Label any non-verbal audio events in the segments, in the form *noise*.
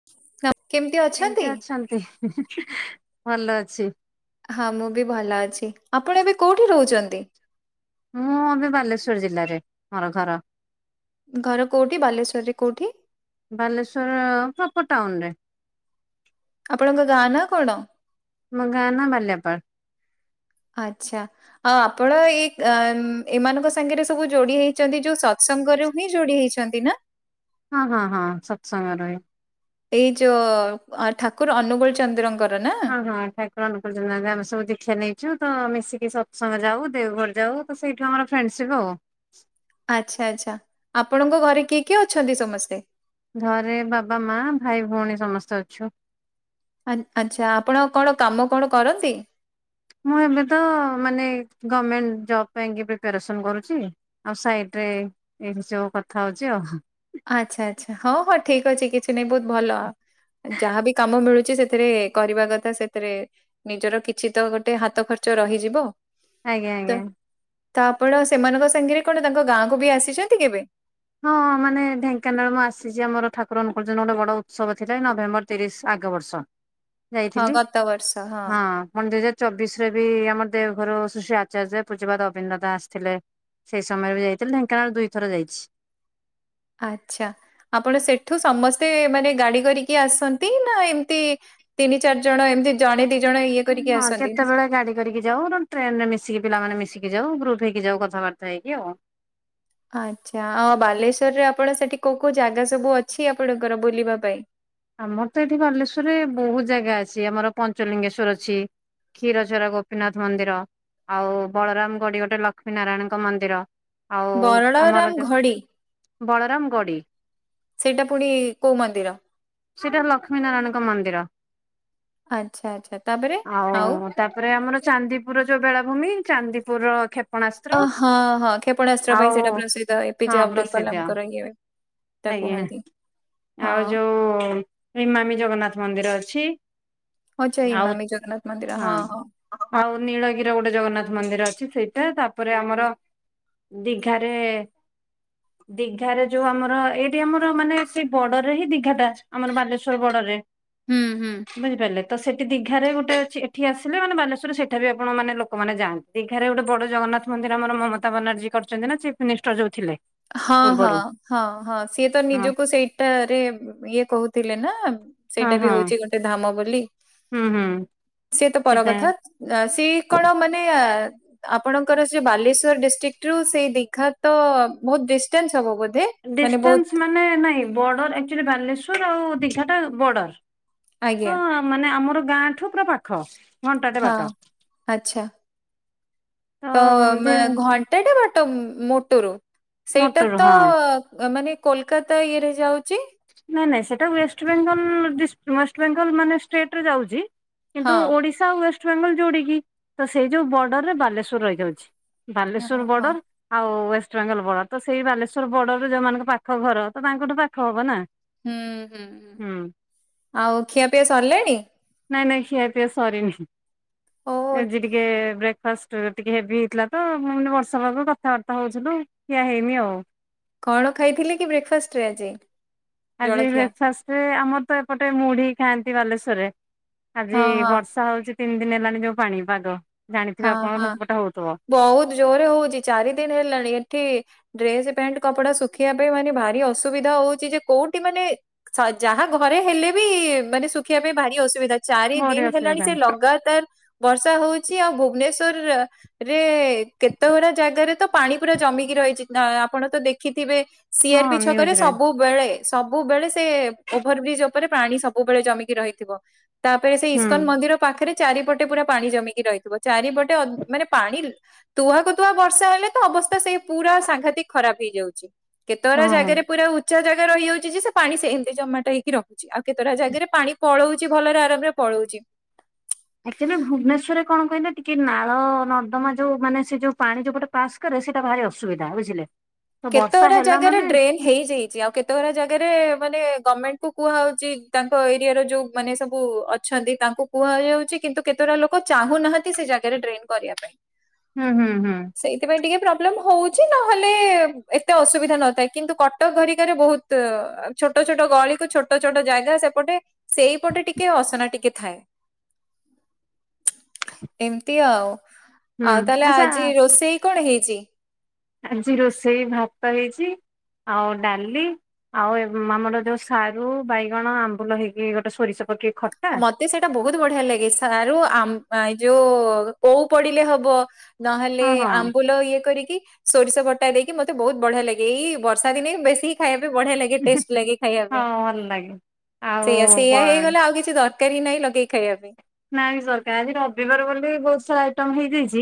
*unintelligible* କେମିତି ଅଛନ୍ତି? ଭଲ ଅଛି। ହଁ ମୁଁ ବି ଭଲ ଅଛି ଆପଣ ଏବେ କେଉଁଠି ରହୁଛନ୍ତି? ମୁଁ ଏବେ ବାଲେଶ୍ଵର ଜିଲ୍ଲାରେ ମୋର ଘର। ଘର କୋଉଠି? ବାଲେଶ୍ୱରରେ କୋଉଠି? ବାଲେଶ୍ଵର ପ୍ରପର ଟାଉନରେ। ଆପଣଙ୍କ ଗାଁ ନା କଣ? ଆମ ଗାଁ ନା ମାଲିଆପାଳ। ଆଚ୍ଛା। ଆ ଆପଣ ଏଇ ଏମାନଙ୍କ ସାଙ୍ଗରେ ସବୁ ଯୋଡି ହେଇଛନ୍ତି ଯୋଉ ସତ୍ସଙ୍ଗରୁ। ଯୋଡି ହେଇଛନ୍ତି ନା? ହଁ ହଁ ହଁ ସତ୍ସଙ୍ଗ ରେ। ଏଇ ଯୋଉ ଠାକୁର ଅନୁଗୋଳ ଚନ୍ଦ୍ରଙ୍କର ନା? ହଁ ହଁ ଠାକୁର ଅନୁକୁଳ ଆମେ ସବୁ ଦୀକ୍ଷା ନେଇଛୁ। ତ ମିଶିକି ସତ୍ସଙ୍ଗ ଯାଉ ଦେଓଗଡ ଯାଉ। ତ ସେଇଠୁ ଆମର ଫ୍ରେଣ୍ଡସିପ୍ ଆଉ। ଆଚ୍ଛା ଆଚ୍ଛା ଆପଣଙ୍କ ଘରେ କିଏ କିଏ ଅଛନ୍ତି ସମସ୍ତେ? ଘରେ ବାବା ମା ଭାଇ ଭଉଣୀ ସମସ୍ତେ ଅଛୁ। ଆଚ୍ଛା ଆପଣ କଣ କାମ କଣ କରନ୍ତି? ମୁଁ ଏବେ ତ ମାନେ ଗଭର୍ଣ୍ଣମେଣ୍ଟ ଜବ ପାଇଁକି ପ୍ରିପାରେସନ୍ କରୁଛି। ଆଉ ସାଇଡରେ ଏଇଠି ସବୁ କଥା ହଉଛି ଆଉ। ଆଚ୍ଛା ଆଚ୍ଛା ହଁ ହଁ ଠିକ ଅଛି କିଛି ନାଇଁ ବହୁତ ଭଲ। ଯାହାବି କାମ ମିଳୁଛି ସେ ସେଥିରେ କରିବା କଥା ସେଥିରେ ନିଜର କିଛି ତ ଗୋଟେ ହାତ ଖର୍ଚ୍ଚ ରହିଯିବ। ଆଜ୍ଞା ତ ଆଜ୍ଞା। ତ ଆପଣ ସେମାନଙ୍କ ସାଙ୍ଗରେ କଣ ତାଙ୍କ ଗାଁକୁ ବି ଆସିଛନ୍ତି କେବେ? ହଁ ମାନେ ଢେଙ୍କାନାଳ ମୁଁ ଆସିଛି ଆମର ଠାରଙ୍କ ଗୋଟେ ବଡ ଉତ୍ସବ ଥିଲା ନଭେମ୍ବର ତିରିଶ ଆଗ ବର୍ଷ। ହଁ ଗତ ବର୍ଷ ହଁ ମନ୍ଦିରରେ ଚବିଶରେ ବି ଆମ ଦେଓଘର ଶଶ୍ରୀ ଆଚାର୍ଯ୍ୟ ପୂଜପଦ୍ୟ ଅବିନ୍ଦତା ଆସିଥିଲେ। ସେଇ ସମୟରେ ବି ଯାଇଥିଲେ ଢେଙ୍କାନାଳ ଦୁଇଥର ଯାଇଛି। ଆଚ୍ଛା ଆପଣ ସେଠୁ ସମସ୍ତେ ମାନେ ଗାଡି କରିକି ଆସନ୍ତି ନା ଏମିତି? ତିନି ଚାରି ଜଣ ଏମିତି ଜଣେ ଦି ଜଣ ଇଏ କରିକି ହଁ ଆସନ୍ତି? କେତେବେଳେ ଗାଡି କରିକି ଯାଉ ଟ୍ରେନ ରେ ମିଶିକି ପିଲାମାନେେ ମିଶିକି ଯାଉ ଗ୍ରୁପ୍ ହେଇକି ଯାଉ କଥାବାର୍ତ୍ତା ହେଇକି ଆଉ। ଆଚ୍ଛା ଆଉ ବାଲେଶ୍ଵରରେ ଆପଣ ସେଠି କୋଉ କୋଉ ଜାଗା ସବୁ ଅଛି ଆପଣଙ୍କର ବୁଲିବା ପାଇଁ? ଆମର ତ ଏଠି ବାଲେଶ୍ଵରରେ ବହୁତ ଜାଗା ଅଛି। ଆମର ପଞ୍ଚଲିଙ୍ଗେଶ୍ଵର ଅଛି କ୍ଷୀରଚୋରା ଗୋପୀନାଥ ମନ୍ଦିର ଆଉ ବଳରାମ ଗଡି ଗୋଟେ ଲକ୍ଷ୍ମୀ ନାରାୟଣଙ୍କ ମନ୍ଦିର ଆଉ ବରଳାରାମ ଆମର ଘଡି ବଳରାମ ଗଡ଼ି ସେଇଟା ପୁଣି କୋଉ ମନ୍ଦିର? ସେଇଟା ଲକ୍ଷ୍ମୀ ନାରାୟଣଙ୍କ ମନ୍ଦିର। ଆଚ୍ଛା ଆଚ୍ଛା ତାପରେ ଆଉ? ତାପରେ ଆମର ଚାନ୍ଦିପୁର ଯୋଉ ବେଳାଭୂମି ଚାନ୍ଦିପୁରର ଖେ ଅ ହଁ ହଁ କ୍ଷେପଣାସ୍ତ୍ର ପାଇଁ ଆଉ ସେଇଟା ପ୍ରସିଦ୍ଧ ଏ ହଁ ପିଜେ ଅବଦୁଲ ପ୍ରସିଦ୍ଧ କଲାମଙ୍କର ଇଏ ତା ଆଜ୍ଞା କୁହନ୍ତି ହଁ ଆଉ ଯୋଉ ଇମାମି ଜଗନ୍ନାଥ ମନ୍ଦିର ଅଛି। ହଁ ସେଇ ଆଉ ଇମାମି ଜଗନ୍ନାଥ ମନ୍ଦିର। ହଁ, ହଁ ଆଉ ନୀଳଗିର ଗୋଟେ ଜଗନ୍ନାଥ ମନ୍ଦିର ଅଛି ସେଇଟା। ତାପରେ ଆମର ଦିଘାରେ ଦିଘାରେ ଯୋଉ ଆମର ଏଇଠି ଆମର ମାନେ ସେଇ ବଡରରେ ହିଁ ଦିଘା ଟା ଆମର ବାଲେଶ୍ଵର ବଡରରେ। ହୁଁ ହୁଁ। ବୁଝିପାରିଲେ? ତ ସେଠି ଦିଘାରେ ଗୋଟେ ଅଛି ଏଠି ଆସିଲେ ମାନେ ବାଲେଶ୍ୱର ସେଠା ବି ଆପଣ ମାନେ ଲୋକମାନେ ଯାଆନ୍ତି। ଦିଘାରେ ଗୋଟେ ବଡ ଜଗନ୍ନାଥ ମନ୍ଦିର ଆମର ମମତା ବାନାର୍ଜୀ କରିଛନ୍ତି ନା ଚିଫ୍ ମିନିଷ୍ଟର ଯୋଉ ଥିଲେ ହଁ, ପୂର୍ବରୁ ହଁ, ହଁ, ହଁ ସିଏ ତ ହଁ ନିଜକୁ ସେଇଟାରେ ଇଏ କହୁଥିଲେ ନା ହଁ ସେଇଟା ବି ହଁ ହଉଛି ଗୋଟେ ଧାମ ବୋଲି ହୁଁ ହୁଁ ସିଏ ତ ପର ସେଟା କଥା ନା ସେ କଣ ମାନେ ଆ ଆପଣଙ୍କର ସେ ବାଲେଶ୍ଵର ଡିଷ୍ଟ୍ରିକ୍ଟ ରୁ ସେଇ ଦିଘା ତ ବହୁତ ଡିଷ୍ଟଟାନ୍ସ ହବ ବୋଧେ? ମାନେ ବହୁତ ଡିଷ୍ଟାନ୍ସ ମାନେ ନାଇଁ ବର୍ଡର ଆକ୍ଚୁଆଲି ବାଲେଶ୍ଵର ଆଉ ଦିଘାଟା ବର୍ଡର ତ ଆଜ୍ଞା। ମାନେ ଆମର ଗାଁ ଠୁ ପୁରା ପାଖ। ଘଣ୍ଟାଟେ ବାଟ ହଁ ଆଚ୍ଛା। ତ ଯେ ଉମ ଘଣ୍ଟାଟା ବାଟ ମୋଟରୁ ସେଇଟା ମୋଟର ତ ହଁ ଉମ ମାନେ କୋଲକାତା ଇଏରେ ଯାଉଛି ନାଇଁ ନାଇଁ ସେଇଟା ୱେଷ୍ଟବେଙ୍ଗଲ ଦିଷ୍ଟ ୱେଷ୍ଟବେଙ୍ଗଲ ମାନେ ଷ୍ଟେଟ ରେ ଯାଉଛି ହଁ କିନ୍ତୁ ଓଡିଶା ଆଉ ୱେଷ୍ଟବେଙ୍ଗଲ ଯୋଡିକି ତ ସେଇ ଯୋଉ ବର୍ଡରରେ ବାଲେଶ୍ୱର ରହିଯାଉଛି। ହଁ ବାଲେଶ୍ୱର ହଁ ବର୍ଡର ଆଉ ୱେଷ୍ଟବେଙ୍ଗଲ ବଡ ତ ସେଇ ବାଲେଶ୍ଵର ବର୍ଡରରେ ଯୋଉମାନଙ୍କ ପାଖ ଘର, ତ ତାଙ୍କଠୁ ପାଖ ହବ ନା? ହୁଁ ହୁଁ ହୁଁ ହ ଆଉ ଖିଆପିଆ ସରିଲେଣି? ନାଇଁ ନାଇଁ ଖିଆ ପିଆ ସରିନି। ଓ ଆଜି ଟିକେ ଫାଷ୍ଟ ଟିକେ ହେଭି ହେଇଥିଲା ତ ମୁଁ କହିନି ଵର୍ଷା ପାଗକୁ କଥାବାର୍ତ୍ତା ହଉଥିଲୁ କ୍ଷୀଆ ହେଇନି ଆଉ। କଣ ଖାଇଥିଲେ କି ବ୍ରେକ ଫାଷ୍ଟ ରେ ଆଜି? ଆଜି ଜଳଖିଆ ବ୍ରେକଫାଷ୍ଟରେ ଆମର ତ ଏପଟେ ମୁଢି ଖାଆନ୍ତି ବାଲେଶ୍ୱରରେ। ହଁ ଆଜି ହଁ ବର୍ଷା ଥା ହଉଛି ତିନି ଦିନ ହେଲାଣି ଯୋଉ ପାଣି ପାଗ ହଁ ଜାଣିଥିବେ ଆପଣଙ୍କର ହଁ ହେପଟେ ହଉଥିବ। ବହୁତ ଜୋରରେ ହଉଛି ଚାରି ଦିନ ହେଲାଣି ଏଠି ଡ୍ରେସ ପ୍ୟାଣ୍ଟ କପଡା ଶୁଖିବା ପାଇଁ ମାନେ ଭାରି ଅସୁବିଧା ହଉଛି ଯେ କୋଉଠି ମାନେ ସ ଯାହା ଘରେ ହେଲେ ବି ମାନେ ଶୁଖିବା ପାଇଁ ଭାରି ଅସୁବିଧା ଚାରି ଭାରି ଦିନ ହେଲାଣି ଅସୁବିଧା ସେ ଲଗାତାର ବର୍ଷା ହଉଛି ଆଉ ଭୁବନେଶ୍ଵର ରେ କେତେ ଘରା ଜାଗାରେ ତ ପାଣି ପୁରା ଜମିକି ରହିଛି। ନ ଆପଣ ତ ଦେଖିଥିବେ? ସି ଆର ପି ହଁ ଛକ ରେ ନ୍ୟୁଜରେ ସବୁ ବେଳେ ସବୁବେଳେ ସବୁବେଳେ ସେ ଓଭର୍ ବ୍ରିଜ୍ ଓପରେ ପାଣି ସବୁବେଳେ ଜମିକି ରହିଥିବ। ତାପରେ ସେ ହୁଁ ଇସ୍କନ ମନ୍ଦିର ପାଖରେ ଚାରିପଟେ ପୁରା ପାଣି ଜମିକି ରଇ ଚାରିପଟେ ଅ ମାନେ ପାଣି ତୁହାକୁ ତୁହା ବର୍ଷା ହେଲେ ତ ଅବସ୍ଥା ସେଇ ପୁରା ସାଂଘାତିକ ଖରାପ ହେଇଯାଉଚି। କେତେଅରା ହଁ ହଁ। ଜାଗାରେ ପୁରା ଉଚ୍ଚା ଜାଗା ରହି ଯାଉଚି ଯେ ସେ ପାଣି ସେନ୍ତି ଜମାଟା ହେଇକି ର ଆଉ କେତଟା ଜାଗାରେ ପାଣି ପଳଉଚି ଭଲରେ ଆରାମରେ ପଳଉଚି। ଆକ୍ଚୁଆଲି ଭୁବନେଶ୍ୱରରେ କଣ କହିଲେ ଟିକେ ନାଳ ନରଦମା ଯୋଉ ମାନେ ସେ ଯୋଉ ପାଣି ଯଉପଟେ ପାସ୍ କରେ ସେଟା ଭାରି ଅସୁବିଧା ବୁଝିଲେ? ତ କେତେ ବର୍ଷା ଅରା ହେଲା ଜାଗାରେ ମାନେ ଡ୍ରେନ୍ ହେଇଯାଇଚି ଆଉ କେତେଅରା ଜାଗାରେ ମାନେ ଗର୍ମେଣ୍ଟ୍ କୁ କୁହାହଉଚି ତାଙ୍କ ଏରିଆର ଯୋଉ ମାନେ ସବୁ ଅ ଛନ୍ତି ତାଙ୍କୁ କୁହାହେଇଆଉଚି କିନ୍ତୁ କେତେଅରା ଲୋକ ଚାହୁଁନାହାନ୍ତି ସେ ଜାଗାରେ ଡ୍ରେନ୍ କରିବା ପାଇଁ। ହୁଁ ହୁଁ ହୁଁ। ସେଇଥିପାଇଁ ଟିକେ ପ୍ରବ୍ଲେମ୍ ହୋଉଚି ନହେଲେ ଏତେ ଅସୁବିଧା ନଥାଏ କିନ୍ତୁ କଟକ ଘରିକାରେ ବୋହୁତ ଛୋଟ ଛୋଟ ଗଳିକୁ ଛୋ ଟ ଛୋଟ ଜାଗା ସେପଟେ ସେଇପଟେ ଟିକେ ଅସନା ଟିକେ ଥାଏ। ଏମତି ଆଉ। ହୁଁ ଆଉ ତାହେଲେ ଆଚ୍ଛା ଆଜି ରୋଷେଇ କଣ ହେଇଚି? ଆଜି ରୋଷେଇ ଭାତ ହେଇଚି ଆଉ ଡାଲି ଆଉ ଏବ୍ ଆମର ଯୋଉ ସାରୁ ବାଇଗଣ ଆମ୍ବୁଲ ହେଇକି ଗୋଟେ ସୋରିଷ ପକେଇ ଖ ମତେ ସେଟା ବୋହୁତ ବଢ଼ିଆ ଲାଗେ ସାରୁ ଆମ୍ ଆ ଯୋଉ ଓଉ ପଡ଼ିଲେ ହବ। ନହେଲେ ହଁ ହଁ ଆମ୍ବୁଲ ଇଏ କରିକି। ସୋରିଷ ବଟା ଦେଇକି ମତେ ବୋହୁତ ବଢ଼ିଆ ଲାଗେ ଏଇ ବର୍ଷା ଦିନେ ବେଶୀ ଖାଇବା ପାଇଁ ବଢ଼ିଆ ଲା ଇଏ ଟେଷ୍ଟ୍ ଲାଗେ ଖାଇବା ହଁ ପାଇଁ ଭଲ ଲାଗେ ଆଉ ସେଇଆ ସେଇଆ ବ ହେଇଗଲେ ଆଉ କିଛି କି ଦରକାରୀ ନାଇଁ ଲଗେଇ ଖାଇବା ପାଇଁ। ନାଇଁ ସରକା ଆଜି ରବିବାର ବୋଲି ବୋହୁତ ସା ଆଇଟମ୍ ହେଇଯାଇଚି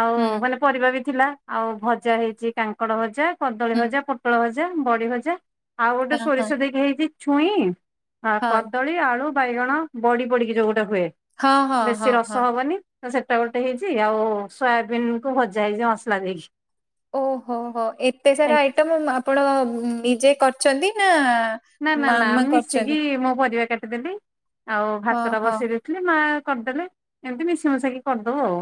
ଆଉ ହୁଁ ମାନେ ପରିବା ବି ଥିଲା ଆଉ ଭଜା ହେଇଚି କାଙ୍କଡ଼ ଭଜା କଦଳୀ ହୁଁ ଭଜା ପୋ ଅଳ ଭଜା ବଡ଼ି ଭଜା ଆଉ ଗୋଟେ ହଁ ହଁ ସୋରିଷ ଦେଇକି ହେଇଚି ଛୁଇଁ ଆ ହଁ କଦଳୀ ଆଳୁ ବାଇଗଣ ବଡ଼ି ପଡି଼କି ଯୋଉ ଗୋଟେ ହୁଏ ହଁ ହଁ ହଁ ବେଶୀ ହଁ। ରସ ହବନି। ତ ସେଟା ଗୋଟେ ହେଇଚି ଆଉ ସୋୟାବିିନ୍ କୁ ଭଜା ହେଇଚି ଅସଲା ଦେଇକି। ଓହୋ ହୋ ଏତେ ସାରା ଆଇଟମ୍ ଆପଣ ନିଜେ କରିଛନ୍ତି ନାଁ ନାଁ ନାଁ ନାଁ ମିଶିକି ମୁଁ ପରିବା କାଟିଦେଲି ଆଉ ଭାତଟା ଓହୋ ବସେଇ ଦେ ଥିଲି ମା କରିଦେଲେ ଏମିତି ମିଶି ମୁଶାକି କରିଦୋଉ ଆଉ।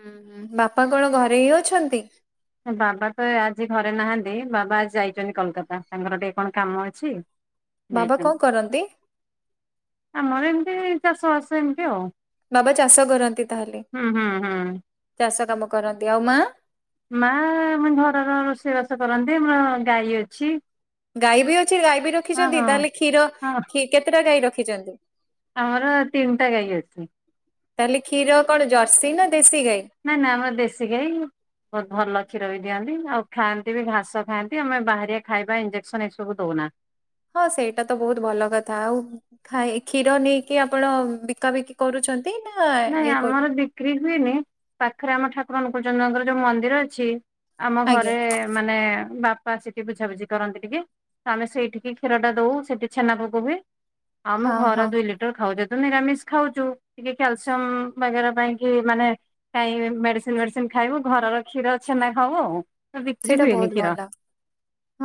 ହୁଁ ହୁଁ ବାପା କଣ ଘରେ ହିଁ ଅଛନ୍ତି? ଅଁ ବାବା ତ ଆଜି ଘରେ ନାହାନ୍ତି ବାବା ଆଜି ଯାଇଚନ୍ତି କଲକାତା ତାଙ୍କର ଟିଏ କଣ କାମ ଅଛି। ବାବା କଣ କରନ୍ତି? ଯାଇଛନ୍ତି। ଆମର ଏମତି ଚାଷବାସ ଏମତି ଆଉ। ବାବା ଚାଷ କରନ୍ତି ତାହେଲେ ହୁଁ ହୁଁ ହୁଁ। ଚାଷ କାମ କରନ୍ତି ଆଉ ମା? ମା ଆମ ଘରର ରୋଷେଇବାସ କରନ୍ତି ଆମର ଗାଈ ଅଛି। ଗାଈ ବି ଅଛି ଗାଈ ବି ହଁ ରଖିଛନ୍ତି ହଁ ତାହେଲେ କ୍ଷୀର ହଁ। କ୍ଷୀ କେତେଟା ଗାଈ ରଖିଚନ୍ତି? ଆମର ତିନଟା ଗାଈ ଅଛି। ତାହେଲେ କ୍ଷୀର କଣ ଜର୍ସି ନାଁ ଦେଶୀ ଗାଈ? ନାଁ ନାଁ ଆମର ଦେଶୀ ଗାଈ। ବହୁତ୍ ଭଲ କ୍ଷୀର ବି ଦିଅନ୍ତି ଆଉ ଖାଆନ୍ତି ବି ଘାସ ଖାଆନ୍ତି ଆମେ ବାହାରିଆ ଖାଇବା ଇଞ୍ଜେକ୍ସନ୍ ଏସବୁ ଦୋଉନା। ହଁ ସେଇଟା ତ ବୋହୁତ ଭଲ କଥା ଆଉ ଖାଇ କ୍ଷୀର ନେଇକି ଆପଣ ବିକାବିକି କରୁଚନ୍ତ୍ ନାଇଁ ଆମର ବିକ୍ରି ହୁଏନି ପାଖରେ ଆମ ଠାକୁର ଅନୁକୁଳଚନ୍ଦ୍ରଙ୍କର ଯୋଉ ମନ୍ଦିର ଅଛି ଆମ ଆଜ୍ଞା ଘରେ ମାନେ ବାପା ସେଠି ବୁଝାବୁଝି କରନ୍ତି ଟିକେ। ତ ଆମେ ସେଇଠିକି କ୍ଷୀରଟା ଦୋଉ ସେଠି ଛେନା ଭୋଗ ହୁଏ। ଆମ ହଁ ଘର ହଁ ଦୁଇ ଲିଟର ଖାଉ ଯେହେତୁ ନିରାମିଷ୍ ଖାଉଚୁ। କ୍ୟାଲସିୟମ୍ ବାଗେରା ପାଇଁ କି ମାନେ କାଇଁ ମେଡ଼ିସିନ୍ ଏଡି଼ସିନ ଖାଇବୁ ଘରର କ୍ଷୀର ଛେନା ଖାଉ ଆଉ। ତ ବିକ୍ରି ସେଇଟା ହୁଏନି ବହୁତ କ୍ଷୀର। ଭଲ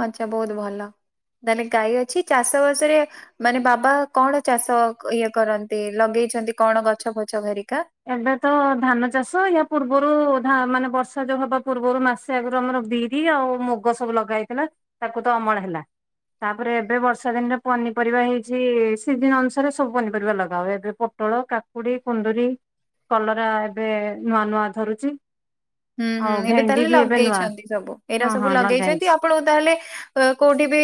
ଆଚ୍ଛା ବହୁତ ଭଲ। ଡାଲେ ଗାଈ ଅଛି ଚାଷବାସରେ ମାନେ ବାବା କଣ ଚାଷ ଇଏ କରନ୍ତି ଲଗେଇଛନ୍ତି କଣ ଗଛ ଫଛ ହେରିକା? ଏବେ ତ ଧାନ ଚାଷ ୟ ପୂର୍ବରୁ ମାନେ ବର୍ଷା ଯୋଉଁ ହବା ପୂର୍ବରୁ ମାସ ଆଗରୁ ଆମର ବିରି ଆଉ ମୁଗ ସବୁ ଲଗା ହେଇଥିଲା ତାକୁ ତ ଅମଳ ହେଲା। ତାପରେ ଏବେ ବର୍ଷା ଦିନରେ ପନିପରିବା ହେଇଛି ସିଜିନି ଅନୁସାରେ ସବୁ ପନିପରିବା ଲଗା ହୁଏ ଏବେ ପୋଟଳ କାକୁଡି କୁନ୍ଦୁରି କଲରା ଏବେ ନୂଆ ନୂଆ ଧରୁଚି। ହୁଁ ହୁଁ ଏବେ ତାହେଲେ ନୂଆ ଲଗେଇଛନ୍ତି ସବୁ ଏଇଟା ହଁ ସବୁ ହଁ ଲଗା ହେଇଛି। ଲଗେଇଛନ୍ତି ଆପଣଙ୍କୁ ତାହେଲେ ହ କୋଉଁଠି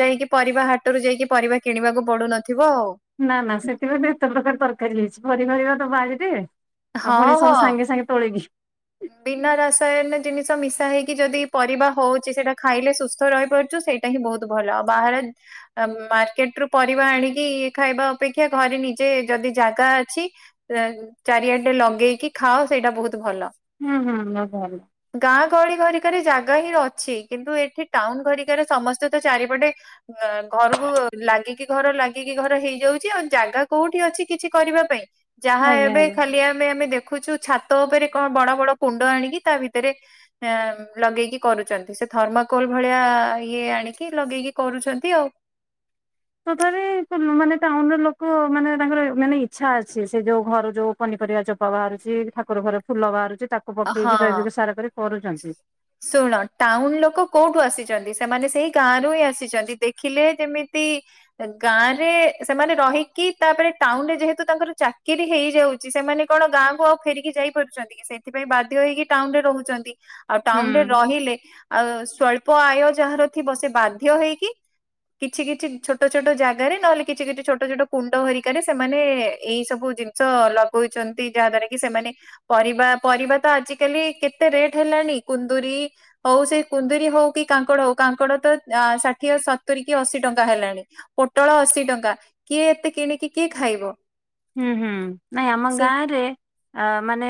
ଯାଇକି ପରିବା ହାଟରୁ ଯାଇକି ପରିବା କିଣିବାକୁ ପଡୁନଥିବ ଆଉ। ନା ନା ସେଥିପାଇଁ ତ ଏତେ ପ୍ରକାର ତରକାରୀ ହେଇଛି ପନିପରିବା ତ ବାରିରେ ଆଉ ହଁ ପୁଣି ହଁ। ସବୁ ସାଙ୍ଗେ ସାଙ୍ଗେ ତୋଳିକି। ବିନା ରାସାୟନ ଜିନିଷ ମିଶା ହେଇକି ଯଦି ପରିବା ହଉଛି ସେଇଟା ଖାଇଲେ ସୁସ୍ଥ ରହିପାରୁଛୁ ସେଇ ଟା ହିଁ ବହୁତ ଭଲ ଆଉ ବାହାରେ ମାର୍କେଟ ରୁ ପରିବା ଆଣିକି ଇ ଖାଇବା ଅପେକ୍ଷା ଘରେ ନିଜେ ଯଦି ଜାଗା ଅଛି ଚାରିଆଡେ ଲଗେଇକି ଖାଅ ସେଇଟା ବହୁତ ଭଲ। ହୁଁ ହୁଁ ଲଗା ଗାଁ ଗହଳି ଘରିକାରେ ଜାଗା ହିଁ ଅଛି କିନ୍ତୁ ଏଠି ଟାଉନ ଘରିକାରେ ସମସ୍ତେ ତ ଚାରିପଟେ ଅ ଘରକୁ ଲାଗିକି ଘର ଲାଗିକି ଘର ହେଇଯାଉଛି ଆଉ ଜାଗା କୋଉଁଠି ଅଛି କିଛି କରିବା ପାଇଁ। ଯାହା ଆଜ୍ଞା ଏବେ ଆଜ୍ଞା ଖାଲି ଆମେ ଆମେ ଦେଖୁଛୁ ଛାତ ଉପରେ କଣ ବଡ଼ ବଡ଼ କୁଣ୍ଡ ଆଣିକି ତା ଭିତରେ ଲଗେଇକି କରୁଛନ୍ତି ସେ ଥର୍ମାକୋଲ ଭଳିଆ ଇଏ ଆଣିକି ଲଗେଇକି କରୁଛନ୍ତି ଆଉ ତଥାପି ମାନେ ଟାଉନ ର ଲୋକ ମାନେ ତାଙ୍କର ମାନେ ଇଚ୍ଛା ଅଛି ସେ ଯୋଉଁ ଘର ଯୋଉଁ ପନିପରିବା ଚୋପା ବାହାରୁଛି ଠାକୁର ଘରେ ଫୁଲ ବାହାରୁଛି ତାକୁ ପକେଇକି ହଁ। ଜୈବିକ ସାର କରି କରୁଛନ୍ତି। ଶୁଣ ଟାଉନ ଲୋକ କୋଉଁଠୁ ଆସିଛନ୍ତି ସେମାନେ ସେଇ ଗାଁ ର ହିଁ ଆସିଛନ୍ତି ଦେଖିଲେ ଯେମିତି ଗାଁ ରେ ସେମାନେ ରହିକି ତାପରେ ଟାଉନ ରେ ଯେହେତୁ ତାଙ୍କର ଚାକିରି ହେଇଯାଉ ସେମାନେ କଣ ଗାଁକୁ ଆଉ ଫେରିକି ଯାଇପାରୁଛନ୍ତି କି ସେଠ ସେଥିପାଇଁ ବାଧ୍ୟ ହେଇକି ଟାଉନରେ ରହୁଛନ୍ତି ଆଉ ଟାଉନରେ ହୁଁ ରହିଲେ ଆଉ ସ୍ଵଳ୍ପ ଆୟ ଯାହାର ଥିବ ସେ ବାଧ୍ୟ ହେଇକି କିଛି କିଛି ଛୋଟ ଛୋଟ ଜାଗାରେ ନହେଲେ କିଛି କିଛି ଛୋଟ ଛୋଟ କୁଣ୍ଡ ହେରକାରେ ସେମାନେ ଏଇ ସବୁ ଲଗଉଛନ୍ତି ଯାହା ଦ୍ଵାରା କି ସେମାନେ ପରିବା ପରିବା ତ ଆଜିକାଲି କେତେ ରେଟ ହେଲାଣି କୁନ୍ଦୁରି ହଉ ସେ କୁନ୍ଦୁରି ହଉ କି କାଙ୍କଡ ହଉ କାଙ୍କଡ ତ ଷାଠିଏ ସତୁରି କି ଅଶୀ ଟଙ୍କା ହେଲାଣି। ପୋଟଳ ଅଶି ଟଙ୍କା କିଏ ଏତେ କିଣିକି କିଏ ଖାଇବ। ହୁଁ ହୁଁ ନାଇଁ ଆମ ସେଇ ଗାଁ ରେ ମାନେ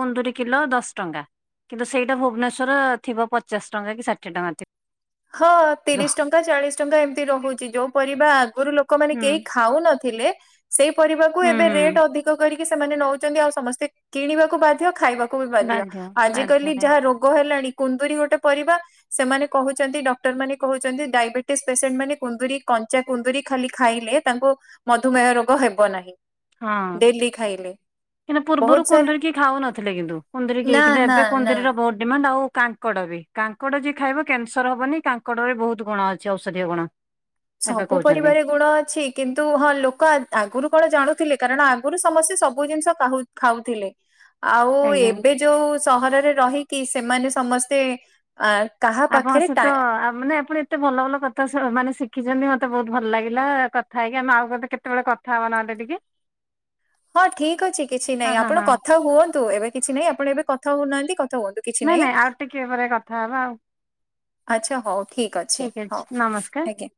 କୁନ୍ଦୁରି କିଲୋ ଦଶ ଟଙ୍କା। କିନ୍ତୁ ସେଇଟା ଭୁବନେଶ୍ୱର ଥିବ ପଚାଶ ଟଙ୍କା କି ଷାଠିଏ ଟଙ୍କା ଥିବ। ହଁ ତିରିଶ ଟଙ୍କା ଚାଳିଶ ଟଙ୍କା ଏମିତି ରହୁଛି ଯୋଉଁ ପରିବା ଆଗରୁ ଲୋକମାନେ ହୁଁ। କେହି ଖାଉନଥିଲେ ସେଇ ପରିବାକୁ ହୁଁ ଏବେ ହୁଁ ରେଟ୍ ଅଧିକ କରିକି ସେମାନେ ନଉଛନ୍ତି ଆଉ ସମସ୍ତେ କିଣିବାକୁ ବାଧ୍ୟ ଖାଇବାକୁ ବାଧ୍ୟ ବାଧ୍ୟ ଆଜିିକାଲି ଖାଇବା ଯାହା ରୋଗ ହେଲାଣି କୁନ୍ଦୁରି ଗୋଟେ ପରିବା ସେମାନେ କହୁ ଡଟର ମାନେ କହୁଛନ୍ତି ଡାଇବେଟିସ ପେସେଣ୍ଟ ମାନେ କୁନ୍ଦୁରି କଞ୍ଚା କୁନ୍ଦୁରି ଖାଲି ଖାଇଲେ ତାଙ୍କୁ ମଧୁମେହ ରୋଗ ହେବ ନାହିଁ ହଁ ଡେଲି ଖାଇଲେ। କିନ୍ତୁ ପୂର୍ବରୁ ବହୁତ ସାରା କୁନ୍ଦୁରି କିଏ ଖାଉନଥିଲେ କିନ୍ତୁ କୁନ୍ଦୁରୀ ନା କିନ୍ତୁ ନା ଏବେ ନା କୁନ୍ଦୁରୀର ବହୁତ ଡିମାଣ୍ଡ ଆଉ କା କାଙ୍କଡ଼ ବି କାଙ୍କଡ଼ ଯିଏ ଖାଇବ କ୍ୟାନସର ହବନି କାଙ୍କଡରେ ବହୁତ ଗୁଣ ଅଛି ଔଷଧୀୟ ଗୁଣ। ଏବେ ସବୁ କହୁଛନ୍ତି ପରିବା ରେ ଗୁଣ ଅଛି। କିନ୍ତୁ ହଁ ଲୋକ ଆଗରୁ କଣ ଜାଣୁଥିଲେ କାରଣ ଆଗରୁ ସମସ୍ତେ ସବୁ ଜିନିଷ କ ଖାଉଥିଲେ। ଆଉ ଆଜ୍ଞା। ଏବେ ଯୋଉଁ ସହରରେ ରହିକି ସେମାନେ ସମସ୍ତେ ଆ କାହା ଆପଣଙ୍କ ପାଖରେ ସହିତ ଟା ମାନେ ଆପଣ ଏ ମତେ ଭଲ ଭଲ କଥା ମାନେ ଶିଖିଛନ୍ତି ମତେ ବହୁତ ଭଲ ଲାଗିଲା କଥା ହେଇକି ଆମେ ଆଉ କ କେତେବେଳେ କଥା ତା ନା ଟିକେ ହଁ ଠିକ ଅଛି କିଛି ହଁ ନାହିଁ ହଁ ଆପଣ ହଁ କଥା ହୁଅନ୍ତୁ ଏବେ କିଛି ନାଇଁ ଆପଣ ଏବେ କଥା ହଉନାହାନ୍ତି କଥା ହୁଅନ୍ତୁ। କିଛି ନା ନା ଆଉ ଟିକେ ପରେ କଥା ହବା ଆଉ। ଆଛା ହଉ ଠିକ ଅଛି ହଉ ଆଜ୍ଞା।